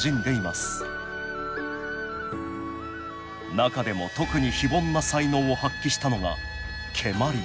中でも特に非凡な才能を発揮したのが蹴鞠。